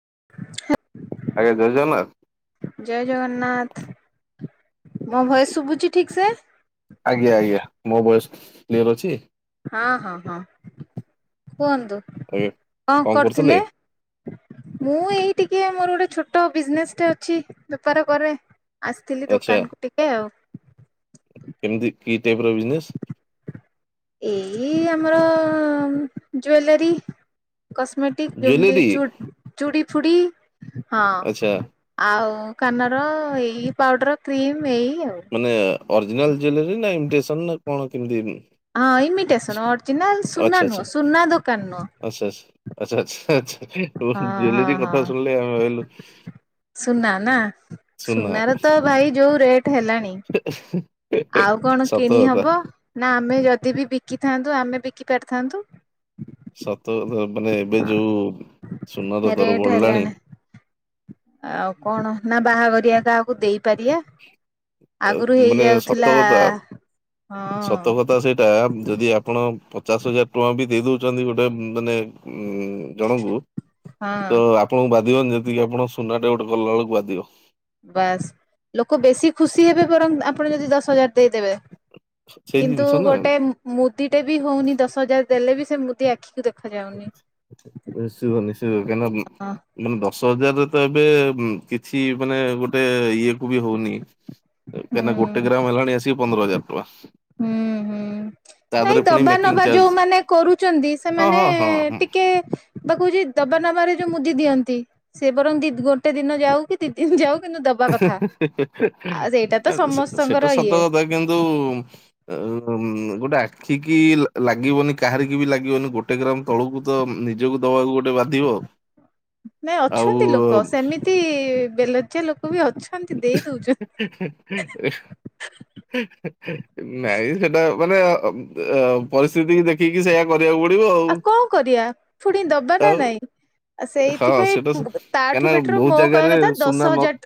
ହ [inaudible] ଆଜ୍ଞା ଜୟଜରନାଥ ଜୟ ଜଗନ୍ନାଥ ମୋ ଭୟସ ଶୁଭୁଛି ଠିକ ସେ। ଆଜ୍ଞା ଆଜ୍ଞା ମୋ ବୟସ କ୍ଲିୟର ଅଛି। ହଁ ହଁ ହଁ। କୁହନ୍ତୁ ଆଜ୍ଞା। କଣ କରୁଥିଲେ ମୁଁ ଏଇ ଟିକେ ମୋର ଗୋଟେ ଛୋଟ ବିଜନେସ୍ଟେ ଅଛି ବେପାର କରେ। ଆସିଥିଲି ଆଚ୍ଛା ଦୋକାନ କୁ ଟିକେ ଆଉ। କେମିତି କି ଟାଇପର ବିଜନେସ? ଏଇ ଆମର ଜୁଏଲାରୀ। କସ୍ମେଟିକ ଯେମତି ଜୁଏଲେରୀ ଚୁ ଚୁଡ଼ି ଫୁଡ଼ି। ହଁ ଆଚ୍ଛା ଆଉ କାନ ର ଏଇ ପାଉଡର କ୍ରିମ ଏଇ ଆଉ। ମାନେ ଅର୍ଜିନାଲ ଜୁଏଲାରୀ ନାଇମଟେସନ ନା କଣ କେମିତି? ହଁ ଇମିଟେସନ ଅରିଜିନାଲ ସୁନା ଆଚ୍ଛା ଆଚ୍ଛା ନୁହଁ ସୁନା ଦୋକାନ ନୁହଁ। ଆଚ୍ଛା ଆଚ୍ଛା ଆଛା ଆଛା ଓ ହଁ ହଁ ଜୁଏଲେରୀ ହଁ କଥା ଶୁଣିଲେ ଆମେ ଭାବିଲୁ ସୁନା ନା ସୁନା ସୁନାର ତ ଭାଇ ଯୋଉ ରେଟ ହେଲାଣି ଆଉ କଣ ସତ କିଣି କଥା ହବ ନା ଆମେ ଯଦି ବି ବିକିଥାନ୍ତ ଆମେ ବିକି ପାରିଥାନ୍ତୁ। ସତ ମାନେ ଏବେ ଯୋଉ ସୁନାର ଦର ରେଟ୍ ବଢ଼ିଲାଣି। ହେଲାଣି ଆଉ କଣ ନା ବାହାଘର। ଆଗରୁ ମାନେ ହେଇଯାଉଥିଲା ସତକଥା। ହଁ ସତକଥା ସେଇଟା ଯଦି ଆପଣ ପଚାଶ ହଜାର ଟଙ୍କା ବି ଦେଇଦଉ ଛନ୍ତି ଗୋଟେ ମାନେ ଜଣଙ୍କୁ ହଁ ତ ଆପଣଙ୍କୁ ବା ଧିବନି ଯେତିକି ଆପଣ ସୁନାରେ ଗୋଟେ କଲା ବେଳକୁ ବାଧିବ। ବାସ୍ ଲୋକ ବେଶୀ ଖୁସି ହେବେ ବରଂ ଆପଣ ଯଦି ଦଶ ହଜାର। ଦେଇଦେବେ ସେଇ କିନ୍ତୁ ଜିନିଷ ନା ଗୋଟେ ମୁଦିଟେ ବି ହଉନି ଦଶ ହଜାର ଦେଲେ ବି। ସେ ମୁଦି ଆଖିକୁ ଦେଖ ନିଶ୍ଚିତ ନିଶ୍ଚିତ କାହିଁକିନା ହଁ ମାନେ ଡ଼ ହଜାର ରେ ତ ଏବେ କିଛି ମାନେ ଗୋଟେ ଇଏ କୁ ବି ହଉନି। କାହିଁକନା ଗୋଟେ ହୁଁ। ଗ୍ରାମ ହେଲାଣି ଆସିକି ପନ୍ଦର ହଜାର ଟଙ୍କା। ହୁଁ, ତା ହୁଁ ନାଇଁ ଦେହରେ ପୁଣି ଦବା ମେକିଂ ନବା ଚାର୍ଜ ଯୋଉମାନେ କରୁଛନ୍ତି ହଁ ସେମାନେ। ହଁ ହଁ ହୁଁ। ଟିକେ ବା କହୁଛି ଦବା ନବାରେ ଯୋଉ ମୁଦି ଦିଅନ୍ତି ସେ ବରଂ ଦି ଗୋଟେ ଦିନ ଯାଉ କି ଦି ଦିନ ଯାଉ କିନ୍ତୁ ଦବା ହେ କଥା। ହେ ହେ ହେ ଆଉ ସେଇଟା ତ ଏ ଏ ସମସ୍ତଙ୍କର ସେଟା ସତ ଇଏ କଥା। କିନ୍ତୁ! ଏ ଗମ। ଉଁ ଗୋଟେ ଆଖି କି ଲାଗିବନି କାହାରି ବି ଲାଗିବନି ଗୋଟେ ଗ୍ରାମ ତଳକୁ ତ ନିଜକୁ ଦବାକୁ। ଗୋଟେ ବାଧିବ। ନାଇଁ ଆଉ ଅଛନ୍ତି ଲୋକ ସେମିତି ବେଲଜ୍ୟା ଲୋକ ବି ଅ ଏ ହେ ହେଁ ଏ ହେ ହେଁ ନାଇ ହେଟା। ମାନେ ପରିସ୍ଥିତି ଦେଖିକି ସେଇୟା କର ଆଉ କଣ କରିବା ପୁଣି ଦବା ନା ଆଉ ନାଇଁ? ଆ ହଁ ସେଇଥିପାଇଁ ସେଟା ସ- ତାଠୁ କାହିଁକିନା ବେଟର ବହୁତ ମୋ ଜାଗାରେ କହିବା କଥା ସୁନା ଦଶ ନ ହଜାର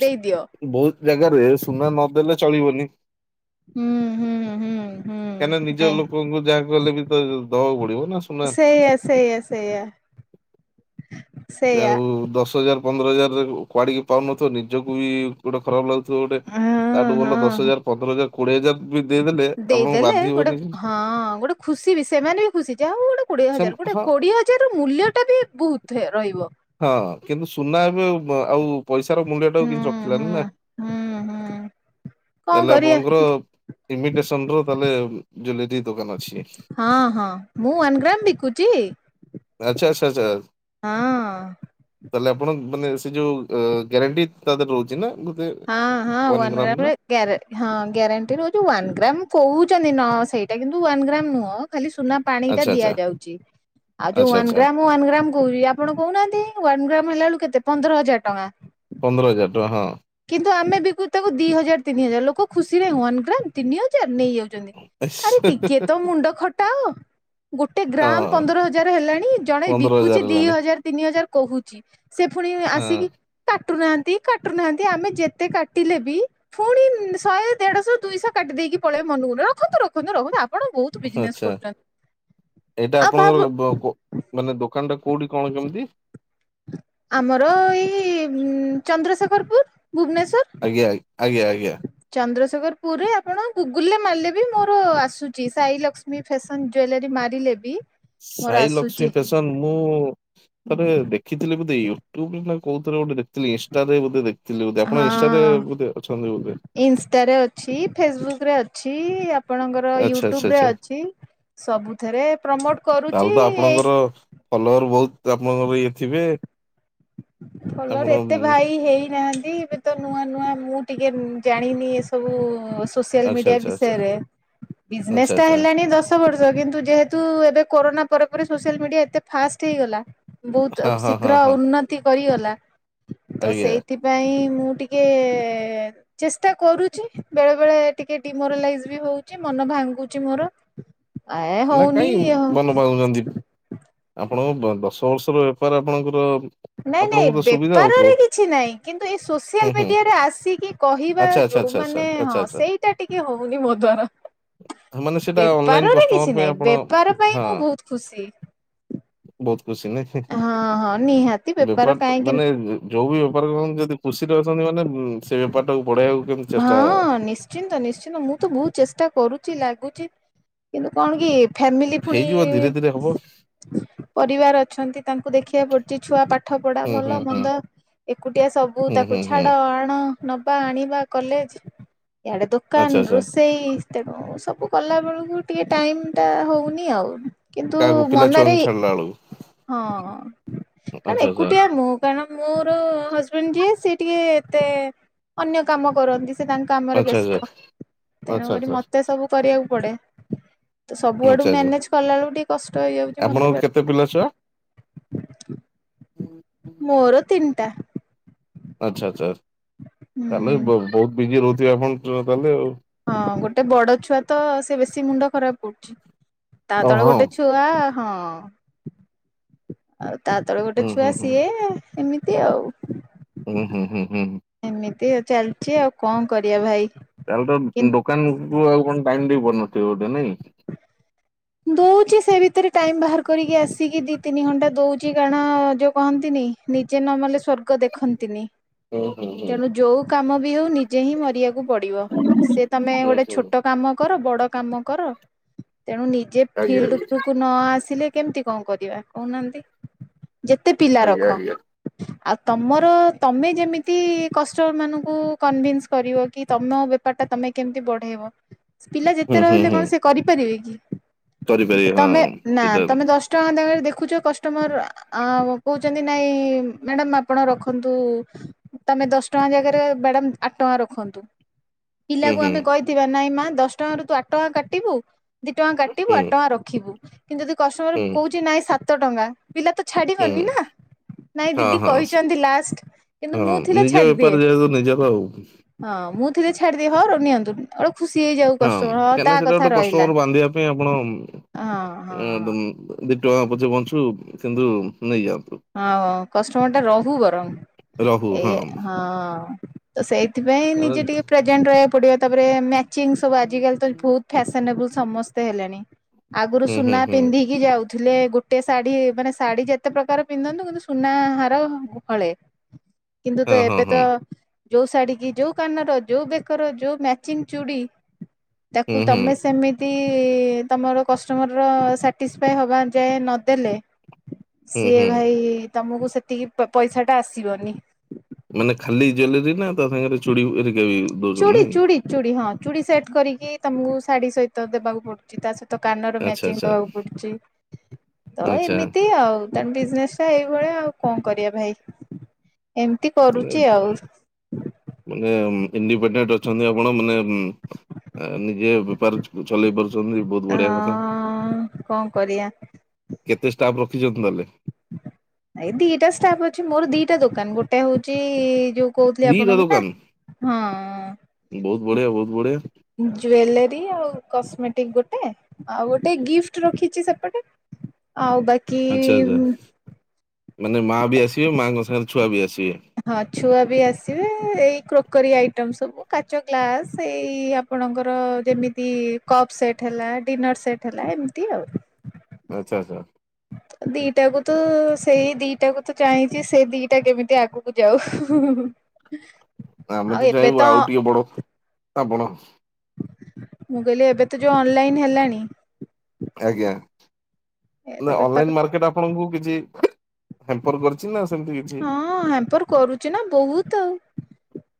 ଦେଇଦିଅ ବହୁତ ଜାଗାରେ ସୁନା ନଦେଲେ ଚଳିବନି। ହୁଁ ହୁଁ ହୁଁ। କାହିଁକିନା ହୁଁ ନିଜ ନାଇଁ ଲୋକଙ୍କୁ ଯାହା କଲେ ବି ତ ଦବାକୁ ପଡିବ ନା ସୁନା ସେଇଆ ସେଇଆ ସେଇଆ। ସେଇଆ ଆଉ ଦଶ ହଜାର ପନ୍ଦର ହଜାରରେ କୁଆଡିକି ପାଉନଥିବ ନିଜକୁ ବି ଗୋଟେ ଖରାପ ଲାଗୁଥିବ ଗୋଟେ। ହଁ ତାଠୁ ଭଲ ଦଶ ହଁ ହଜାର ପନ୍ଦର ହଜାର କୋଡିଏ ହଜାର ବି ଦେଇଦେଲେ ଆପଣଙ୍କୁ ଦେଇଦେଲେ ଗୋଟେ ବାଧିବନି ଜିନ୍ସ। ହଁ ଗୋଟେ ଖୁସି ବି ସେମାନେ ବି ଖୁସି ଯାହାବ ଗୋଟେ କୋଡିଏ ହଜାର ଗୋଟେ ହଁ କୋଡିଏ ହଜାର ର ମୂଲ୍ୟ ଟା ବି ବହୁତ ରହିବ। ହଁ କିନ୍ତୁ ସୁନା ଏବେ ଆଉ ପଇସାର ମୂଲ୍ୟ ଟା ହୁଁ କିଛି ହୁଁ ରଖିଲାନି ନା। ହୁଁ ହୁଁ କଣ ତାହଲେ କରିବା ଆପଣଙ୍କର ଇମିଟେସନ ର ତାଲେ ଜ୍ବେଲେରୀ ହଁ ହଁ ମୁଁ ୱାନ ଗ୍ରାମ ବିକୁଛି। ସେଟା ଚଏସ। ହଁ। ତାହେଲେ ଆପଣ ମାନେ ସେ ଯୋଉ ଗ୍ୟାରେଣ୍ଟି ତା ଦେହରେ ରହୁଛି ନା? ଗୋଟେ ହଁ ହଁ ୱାନ ଗ୍ରାମ ର ଗ୍ରାମରେ ଗ୍ୟାର ହଁ ଗ୍ୟାରେଣ୍ଟି ରହୁଛି ୱନ ଗ୍ରାମ କହୁଛନ୍ତି ନ ସେଇଠ ସେଟା କିନ୍ତୁ ୱନ୍ ଗ୍ରାମ ନୁହଁ ଖାଲି ସୁନା ପାଣି ଟା ଆଚ୍ଛା ଆଚ୍ଛା ଦିଆଯାଉଚି। ଆଉ ଯୋଉ ଆଚ୍ଛା ୱାନ ଆଚ୍ଛା ଗ୍ରାମ ୱାନ ଗ୍ରାମ କହୁଛି ଆପଣ କହୁନାହାନ୍ତି ୱାନ ଗ୍ରାମ ହେଲା ବେଳକୁ କେତେ ପନ୍ଦର ହଜାର ଟଙ୍କା। ପନ୍ଦର ହଜାର ଟଙ୍କା ହଁ। କିନ୍ତୁ ଆମେ ବିକୁ ତାକୁ ଦି ହଜାର ତିନି ହଜାର ଲୋକ ଖୁସିରେ ୱାନ ଗ୍ରାମ ତିନି ହଜାର। ନେଇ ଯାଉଛନ୍ତି ଆରେ ଟିକେ ତ ମୁଣ୍ଡ ଖଟାଅ। ଗୋଟେ ଗ୍ରାମ ହଁ ପନ୍ଦର ହଜାର ହେଲାଣି ଜଣେ ପନ୍ଦର ବିକୁଛି ହଜାର ଦି ହେଲାଣି ହଜାର ତିନି ହଜାର କହୁଛି ସେ ପୁଣି ହଁ ଆସିକି କାଟୁନାହାନ୍ତି କାଟୁନାହାନ୍ତ ଆମେ ଯେତେ କାଟିଲେ ବି ପୁଣି ଶହେ ଦେଢଶହ ଦୁଇଶହ କାଟି ଦେଇକି ପଳେଇବେ ମନ ମନ ରଖୁନ୍ତୁ। ରଖନ୍ତୁ ରଖନ୍ତୁ ଆ ଆଛା ଏବେ ଆଉ ଭାବୁ ଆପଣଙ୍କର ବକ ମାନେ ଦୋକାନଟା କୋଉଠି କଣ କେମିତି? ଆମର ଏଇ ଚନ୍ଦ୍ରଶେଖରପୁର। ଭୁବନେଶ୍ଵର ଆଜ୍ଞା ଆଜ୍ଞା ଆଜ୍ଞା ଚନ୍ଦ୍ରଶେ ଖରପୁରରେ ଆପଣ ଗୁଗୁଲରେ ମାରିଲେ ବି ମୋର ଆସୁଛି ସାଇଲକ୍ଷ୍ମୀ ଫ୍ୟାସନ୍ ଜୁଏଲାରୀ ମାରିଲେ ବି ମୋର ସାଇଲକ୍ଷ୍ମୀ ଆସୁଛି ଫ୍ୟାସନ ମୁଁ ଥରେ ଦେଖିଥିଲି ବୋଧେ ୟୁ ଟ୍ୟୁବ୍ ନା କଉଥିରେ ଗୋଟେ ଦେଖଥିଲି ଇନଷ୍ଟାରେ ବୋଧେ ଦେଖି ଥିଲି ବୋଧେ ଆପଣ ଇନଷ୍ଟାରେ ହଁ ବୋଧେ ଅଛନ୍ତି ବୋଧେ? ଇନଷ୍ଟାରେ ଅଛି ଫେସବୁକ ରେ ଅଛି ଆପଣଙ୍କର ଆଚ୍ଛା ଆଚ୍ଛା ୟୁଟ୍ୟୁବ ରେ ଆଚ୍ଛା ଅଛି। ସବୁଥିରେ ପ୍ରମୋଟ ତାହେଲେ ତ କରୁଛି ଏଇ ଆପଣଙ୍କର ଫଲୋଅର ବହୁତ ଆପଣଙ୍କର ଇଏ ଥିବେ। ଆପଣ ଭଲରେ ଉଁ, ଏତେ ଭାଇ ହେଇନାହାନ୍ତି ଏବେ ତ ନୂଆ ନୂଆ ମୁଁ ଟିକେ ଜାଣିନି ଏସବୁ ସୋସିଆଲ ଆଚ୍ଛା ମିଡିଆ ଆଚ୍ଛା ଆଚ୍ଛା ବିଷୟରେ। ଆଚ୍ଛା ବିଜନେସଟା ଆଚ୍ଛା ହେଲାଣି ଦଶବର୍ଷ କିନ୍ତୁ ଯେହେତୁ ଏବେ କରୋନା ପରେ ପରେ ସୋସିଆଲ ମିଡିଆ ଏତେ ଫାଷ୍ଟ ହୋଇଗଲା ବହୁତ ହଁ ହଁ ହଁ ଶୀଘ୍ର ହଁ ଉନ୍ନତି କରିଗଲା। ତ ଆଜ୍ଞା ସେଇଥିପାଇଁ ମୁଁ ଟିକେ ଚେଷ୍ଟା କରୁଛି ବେଳେବେଳେ ଟିକେ ଡିମୋରାଲାଇଜ ବି ହଉଛି ମ ମନ ଭାଙ୍ଗୁଚି ମୋର ଏ ନା ହଉନି କାଇଁ ଇଏ ହ ଆପଣଙ୍କୁ ଦଶବର୍ଷର ବେପାର ଆପଣଙ୍କର ନାଇଁ ନାଇଁ ଆପଣଙ୍କୁ ତ ସୁବିଧା ବେପାରରେ ହଉଥିବ କିଛିନାଇଁ କିନ୍ତୁ ଏ ହୁଁ ସୋସିଆଲ ହୁଁ ମିଡିଆରେ ଆସିକି କହିବା। ଆଚ୍ଛା ଆଚ୍ଛା ଆଚ୍ଛା ଆଚ୍ଛା ଯଉମାନେ ଆଚ୍ଛା ହଁ ଆଚ୍ଛା ସେଇଟା ଟିକେ ହଉନି ମୋ ଦ୍ଵାରା। ମାନେ ସେଇଟା ଅନଲାଇନ କଷ୍ଟମର ପାଇଁ କିଛିନାହିଁ ଆପଣ ବେପାର ପାଇଁ ହଁ ମୁଁ ବହୁତ ଖୁସି। ବହୁତ। ଖୁସି ନାହିଁ ହିଁ ହଁ ହଁ ନିହାତି ବେପାର କାହିଁକି ମାନେ ଯଉ ବି ବେପାର କରନ୍ତୁ ଯଦି ଖୁସିରେ ଅଛନ୍ତି ମାନେ ସେଇ ବେପାରଟାକୁ ବଢେଇବାକୁ କେମିତି ଚେଷ୍ଟା ହଁ ନିଶ୍ଚିନ୍ତ ନିଶ୍ଚିନ୍ତ ମୁଁ ତ ବହୁତ ଚେଷ୍ଟା କରୁଚି ଲାଗୁଚି। କିନ୍ତୁ କଣ କି ଫ୍ୟାମିଲି ଫୁଣି ହେଇଯିବ ଧୀରେ ଧୀରେ ହବ ପରିବାର ଅଛନ୍ତି ତାଙ୍କୁ ଦେଖିବାକୁ ପଡୁଚି ଛୁଆ ପାଠପଢା ହୁଁ ହୁଁ ହୁଁ ଭଲମନ୍ଦ। ଏକୁଟିଆ ସବୁ ହୁଁ ତାକୁ ହୁଁ ହୁଁ ଛାଡ ଆଣ। ନବା ଆଣିବା କଲେଜ ଇଆଡେ ଆଚ୍ଛା ଦୋକାନ ଆଚ୍ଛା ରୋଷେଇ ତେଣୁ ସ ବୁ କଲା ବେଳକୁ ଟିକେ ଟାଇମଟା ହଉନି ଆଉ କିନ୍ତୁ କାହାକୁ ପିଲା ମନରେ ଛୁଆଙ୍କୁ ଛାଡିଲା ବେଳକୁ ହଁ କାରଣ ଆଚ୍ଛା ଆଚ୍ଛା ଏକୁଟିଆ ମୁଁ କାରଣ ମୋର ହଜବେଣ୍ଡ ଯିଏ ସିଏ ଟିକେ ଏତେ ଅନ୍ୟ କାମ କରନ୍ତି ସେ ତାଙ୍କ କାମରେ ଆଚ୍ଛା ବ୍ୟସ୍ତ। ଆଚ୍ଛା ଆଚ୍ଛା ତେଣୁକରି ଆଚ୍ଛା ମତେ ସବୁ କରିବାକୁ ପଡେ। ତ ସବୁଆଡୁ ଆଚ୍ଛା ଆଚ୍ଛା ମ୍ୟାନେଜ କଲା ବେଳକୁ ଟିକେ କଷ୍ଟ ହେଇଯାଉଚି ମତେ ଆପଣଙ୍କ ବେ କେତେ ପିଲା ଛୁଆ ମୋର ତିନିଟା ଆଚ୍ଛା ଆଚ୍ଛା ତାହେଲେ ହୁଁ। ବଉ-ବହୁତ ବିଜି ରହୁଥିବେ ଆପଣ ତାହେଲେ ଆଉ। ହଁ ଗୋଟେ ବଡଛୁଆ ତ ସେ ବେଶୀ ମୁଣ୍ଡ ଖରାପ କରୁଚି। ତା ଓ ତଳେ ହଁ ଗୋଟେ ଛୁଆ ହଁ ଆଉ ତା ତଳେ ଗୋଟେ ହୁଁ ହୁଁ ଛୁଆ ହୁଁ ସିଏ ଏମିତି ଆଉ। ହୁଁ ହୁଁ ହୁଁ। ଏମିତି ଆଉ ଚାଲିଚି ଆଉ କଣ କରିବା ଭାଇ? ତାହେଲେ ତ କିନ୍ତୁ ଦୋକାନକୁ ଆଉ କଣ ଟାଇମ ଦେଇପାରୁନଥିବେ ବୋଧେ ନାଇଁ? ଦଉଚି ସେ ଭିତରେ ଟାଇମ ବାହାର କରିକି ଆସିକି ଦି ତିନି ଘଣ୍ଟା ଦଉଚି କାରଣ ଯଉ କହନ୍ତିନି ନିଜେ ନ ମଲେ ସ୍ଵର୍ଗ ଦେଖନ୍ତିନି। ଓ ହୋ। ତେଣୁ ଯୋଉ କାମ ବି ହଉ ନିଜେ ହିଁ ମରିବାକୁ ପଡିବ ସେ ତମେ ହୁଁ ଗୋଟେ ହୁଁ ଛୋଟ କାମ କର ବଡକାମ କର ତେଣୁ ନିଜେ ଆଜ୍ଞା ଫିଲ୍ଡ ଉପରକୁ ନ ଆସିଲେ କେମିତି କଣ କରିବା କହୁନାହାନ୍ତି ଯେତେ ପିଲା ରଖ ଆଜ୍ଞା ଆଜ୍ଞା ଆଜ୍ଞା ଆଉ ତମର ତମେ ଯେମିତି କଷ୍ଟମର ମାନଙ୍କୁ କନଭିନ୍ସ କରିବ କି ତମ ବେପାରଟା ତମେ ମେ କେମିତି ବଢେଇବ ପିଲା ହୁଁ ଯେତେ ହୁଁ ରହିଲେ ହୁଁ କଣ ସେ କରିପାରିବେ କି? କରିପାରିବେ ହଁ ତମେ ନା ସେଇଟା ତମେ ଦଶ ଟଙ୍କା [unintelligible] ରେ ଦେ ଖୁଚ କଷ୍ଟମର ଆଁ କହୁଚନ୍ତି ନାଇଁ ମ୍ୟାଡାମ ଆପଣ ରଖନ୍ତୁ। ତମେ ଦଶ ଟଙ୍କା ଜାଗାରେ ମ୍ୟାଡ଼ାମ୍ ଆଟ୍ ଟଙ୍କା ରଖନ୍ତୁ। ହୁଁ ପିଲାକୁ ହୁଁ ଆମେ କଇଥିବା ନାଇଁ ମା ଦଶ ଟଙ୍କାରୁ ତୁ ଆଟ୍ ଟଙ୍କା କାଟିବୁ ଦି ଟିବୁ ହୁଁ ଆଟଙ୍କା ରଖିବୁ କିନ୍ତୁ ଯଦି କଷ୍ଟମର ହୁଁ କଉଚି ନାଇଁ ସାତ ଟଙ୍କା। ପିଲା ତ ହୁଁ ଛାଡିବନି ନା ନାଇଁ ହଁ ଦିଦି ହଁ ସ କଇଚନ୍ତି ଲାଷ୍ଟ। କିନ୍ତୁ ମୁଁ ହଁ ଥିଲେ ନିଜ ବେପାର ଛାଡିଦିଏ ଯେହେତୁ ନିଜର ଆଉ ହଁ ହଁ ମୁଁ ଥିଲେ ଛାଡିଦିଏ ହ ରୁ ନିଅନ୍ତୁ। ଖୁସି ହେଇଯାଉ କଷ୍ଟମର୍ ହଁ କାହିଁକିନା ତା ସେଇଟା କଥା ଗୋଟେ ରଇଲା। କଷ୍ଟମର ବାନ୍ଧିବା ପାଇଁ ଆପଣ ଉଁ ଉଁ ଦି ଟଙ୍କା ପଛେ ବଞ୍ଚୁ କିନ୍ତୁ ନେଇଯାଉ। ହଁ କଷ୍ଟମର ଟା ରହୁ ବରଂ ଏଇ ହଁ ତ ସେଇଥି ପାଇଁ ହୁଁ ନିଜେ ଟିକେ ପ୍ରେଜେଣ୍ଟ ରହିବାକୁ ପଡିବ। ତାପରେ ମ୍ୟାଚିଂ ସବୁ ଆଜିକାଲି ତ ବହୁତ ଫ୍ୟାସନେବୁଲ ସମସ୍ତେ ହେଲେଣି। ଆଗରୁ ହୁଁ ସୁନା ହୁଁ ପିନ୍ଧିକି ଯାଉଥିଲେ ଗୋଟେ ଶାଢୀ ମାନେ ଶାଢୀ ଯେତେ ପ୍ରକାର ପିନ୍ଧନ୍ତୁ କିନ୍ତୁ ସୁନାହାର ହଳେ କିନ୍ତୁ ତ ହଁ ହଁ ଏବେ ତ ହଁ ଯୋଉ ଶାଢୀ କି ଯୋଉ କାନର ଯୋଉ ବେକର ଯୋଉ ମ୍ୟାଚିଂ ଚୁଡି। ତାକୁ ହୁଁ ହୁଁ ତମେ ସେମିତି ତି-ଇ-ଇ-ଇ ତମର କଷ୍ଟମର ର ସାଟିଶପାଏ ହବା ଯାଏ ନଦେଲେ ହୁଁ ସିଏ ହୁଁ ଭାଇ ତମକୁ ସେତିକି ପ ପଇସା ଟା ଆସିବନି। ମାନେ ଖାଲି ଜୁଏଲେରୀ ନା ତା ସାଙ୍ଗରେ ଚୁଡି ହେରି ଚୁଡ଼ି ଚୁଡ଼ି ଚୁଡି ହଁ ଚୁଡ଼ି ସେଟ କରିକି ତମକୁ ଶାଢୀ ସହିତ ଦେବାକୁ ପଡୁଛି ତା ସହି ତ କାନର ଆଚ୍ଛା ମ୍ୟାଚିଂ ଆଚ୍ଛା ଦବାକୁ ପଡୁଛି ତ ଆଚ୍ଛା ଏମିତି ଆଉ ତେଣୁ ବିଜନେସ ଟା ଏଇ ଏଇ ଭଳିଆ ଆଉ କଣ କରିବା ଭାଇ। ଏମିତି ମାନେ କରୁଛି ଆଉ। ମାନେ ଇଣ୍ଡିପେଣ୍ଡେଣ୍ଟ ଅଛନ୍ତି ଆପଣ ମାନେ ଏମ୍ ଏ ନିଜେ ବେପାର ଚ ଚଲେଇ ପାରୁ ରୁଛନ୍ତି ବହୁତ ଅ ବଢିଆ କଥା। କଣ କରିବା କେତେ ଷ୍ଟାଫ୍ ରଖ ଖିଛନ୍ତି ନହେଲେ। ଏ ଦିଟା ଷ୍ଟାଫ୍ ଅଛି ମୋର ଦିଟା ଦୋକାନ ଗୋଟେ ହଉଛି-ଇ-ଇ-ଇ-ଇ ଯୋଉ କହୁଥିଲି ଦିଟା ଆପଣଙ୍କୁ ନା, ଦୋକାନ ବହୁତ ହଁ-ଅ-ଅ ବଢିଆ ବହୁତ ବଢିଆ। ଜୁଏଲାରୀ ଆଉ କସ୍ମେଟିକ ଗୋଟେ, ଆଉ ଗୋଟେ ଗିଫ୍ଟ ରଖିଛି ସେପଟେ। ଆଉ ଆଚ୍ଛା ବାକି-ଇ-ଇ-ଇ ଆଚ୍ଛା ଉମ ମାନେ ମା ବି ଆସିବେ ମାଆଙ୍କ ସାଙ୍ଗରେ ଛୁଆ ବି ଆସିବେ? ହଁ ଛୁଆ ବି ଆସିବେ-ଏ-ଏ ଏଇ କ୍ରୋ କରି ଆଇଟମ ସବୁ କାଚ ଗ୍ଲାସ ଏଇ-ଇ-ଇ-ଇ ଆପଣଙ୍କର ଯେମିତି କପ ସେଟ୍ ହେଲା ଡିନର ସେଟ ହେଲା ଏମିତି ଆଉ। ଆଚ୍ଛା ଆଚ୍ଛା। ଦିଟାକୁ ତ-ଅ-ଅ ସେଇ ଦିଟାକୁ ତ ଚାହିଁଛି ସେଇ ଦିଟା କେମିତି ଆଗକୁ ଯାଉ ହୁଁ ହୁଁ ହୁଁ। ହଁ ଆମେ ତ ଚାଇଁବୁ ଆଉ ଟିକେ ବଡ ଆପଣ ମୁଁ କହିଲି ଏବେ ତ ଯୋଉ ଅନଲାଇନ ହେଲାଣି ଆଜ୍ଞା ଏ ତ ନା ବେପାର ଅନଲାଇନ ମାର୍କେଟ ଆପଣଙ୍କୁ କିଛି [unintelligible] ହ୍ୟାମପର କରି ହଁ ହ୍ୟାମ୍ପର କରୁଛି ନା ବହୁତ ଆଉ,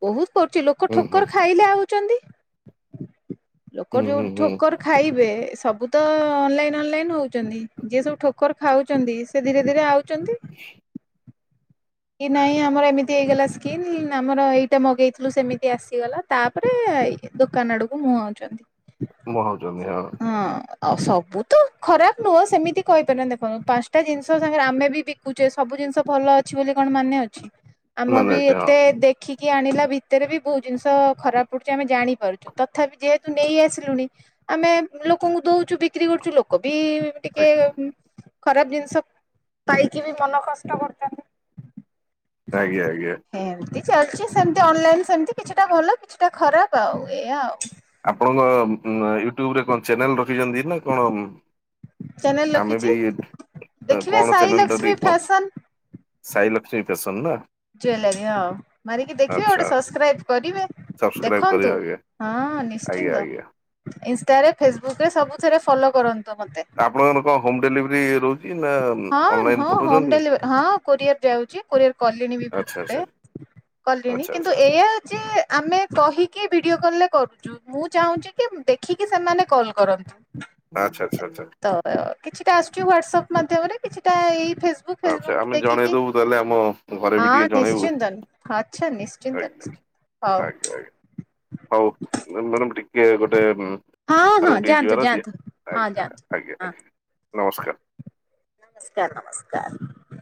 ବହୁତ କରୁଛି ଲୋକ ହୁଁ ହୁଁ ଠୋକର ଖାଇଲେ ଆଉଛନ୍ତି। ଲୋକର ହୁଁ ଯୋଉ ହୁଁ ହୁଁ ଠୋକର ଖାଇବେ ସବୁ ତ-ଅ-ଅ-ଅ ଅନଲାଇନ ଅନଲାଇନ ହଉଛନ୍ତି। ଯିଏ ସବୁ ଠୋକର ଖାଉଛନ୍ତି ସେ ଧୀରେ ଧୀରେ ଆଉ ଛନ୍ତି। କି ନାଇଁ ଆମର ଏମିତି ହେଇଗଲା ସ୍କିନ୍ ଆମର ଏଇଟା ମଗେଇଥିଲୁ ସେମିତି ଆସିଗଲା ତାପରେ-ଏ-ଏ ହାଇ ଦୋକାନ ଆଡକୁ ମୁଆଉଛନ୍ତି। ମୁହାଉଛନ୍ତି ହଁ। ଆଉ ସବୁ ତ ଖରାପ ନୁହଁ ସେମିତି କହିପାରନି ଦେଖନ୍ତୁ ପାଞ୍ଚଟା ଜିନିଷ ସାଙ୍ଗରେ ଆମେ ବିକୁଛେ ସବୁ ଜିନିଷ ଭଲ ଅଛି ବୋଲି କଣ ମାନେ ଅଛି। ଆମ ମାନେ ବି ଅଛି ହଁ ଏତେ ଦେଖି କି ଆଣିଲା ଭିତରେ ବି ବହୁତ ଜିନିଷ ଖରାପ ପଡୁଛି ଆମେ ଜାଣି ପାରୁଛୁ। ତଥାପି ଯେହେତୁ ନେଇ ଆସିଲୁଣି ଆମେ ଲୋକଙ୍କୁ ଦଉଛୁ ବିକ୍ରି କରୁଛୁ ଲୋକ ବି-ଇ-ଇ ଆଜ୍ଞା ଟିକେ ଖରାପ ଜିନିଷ ପାଇକି ବି ମନ କଷ୍ଟ କରୁଛନ୍ତି। ଆଜ୍ଞା ଆଞା। ଏ ଚାଲିଛି ସେମିତି ଅନଲାଇନ ସେମିତି କିଛିଟା ଭଲ କିଛିଟା ଖରାପ ଆଉ ଏଇଆ ଆଉ। ଉ ୟୁଟ୍ୟୁବ ରେ କଣ ଚ୍ୟାନେଲ ରଖିଛନ୍ତି ନା କଣ? ଚ୍ୟାନେଲ ଆମେ ରଖିଛି ବି-ଇ-ଇ-ଇ ଦେଖିବେ କଣ ସାଇ ଚ୍ୟାନେଲ ଟା ଲକ୍ଷ୍ମୀ କୁହନ୍ତୁ ଫ୍ୟାସନ ସାଇ ଲ ଷ୍ମୀ ପେସନ୍ ନା? ଜୁଲାରୀ ମାରିକି ଦେଖିବେ ଆଚ୍ଛା ଗୋଟେ ସବସ୍କ୍ରାଇବ କରିବେ। ସବସ୍କ୍ରାଇବ କରିବା ଦେଖନ୍ତୁ ଆଜ୍ଞା ହଁ ଆଜ୍ଞା ନିଶ୍ଚିନ୍ତ ଆଜ୍ଞା। ଇନଷ୍ଟ ଟାରେ ଫେସବୁକରେ ସବୁଥିରେ ଫଲୋ କରନ ଆପଣଙ୍କର କଣ ହୋମ ଡେଲିଭରି ରହୁଛି? ନା ହଁ ଅନଲାଇନ ହଁ ହୋମ ପଠଉଛନ୍ତି? ଡେଲିଭରି ହଁ କୋରିୟର ଯାଉଛି କୋରିଅର କଲିଣି ବି ଆଚ୍ଛା ବହୁତ ଗୁଡେ। ଆଚ୍ଛା କଲିଣି ଆଚ୍ଛା କିନ୍ତୁ ଆଚ୍ଛା ଏୟା ଯେ ଆମେ କହିକି ଭିଡିଓ କଲ ରେ କରୁ ଛୁ ମୁଁ ଚାହୁଁଛି କି ଦେଖିକି ସେମାନେ କଲ୍ କରନ୍ତୁ। ଆଚ୍ଛା ଆଚ୍ଛା ଆଚ୍ଛା। ତ କିଛିଟା ଆସୁଛି ହ୍ୱାଟ୍ସଆପ ମାଧ୍ୟମରେ କିଛିଟା ଏଇ ଫେସବୁ ଆଚ୍ଛା ଫେସବୁକ୍ ଆମେ ଦେଖିକ ଜଣେଇଦବୁ ତାହେଲେ ଆମ ଘରେ ବି ଟିକେ ହଁ ଜଣେଇବୁ ନିଶ୍ଚିନ୍ତନ ଆଚ୍ଛା ନିଶ୍ଚିନ୍ତ ଆଜ୍ଞା ନିଶ୍ଚିନ୍ତ ହଉ। ହଉ ମାନ ଟିକେ ଗୋଟେ ହଁ ହଁ ଯାଆନ୍ତୁ ଯାଆନ୍ତୁ ହଁ ଯାଆନ୍ତୁ ହଁ [unintelligible] ନମସ୍କାର ନମସ୍କାର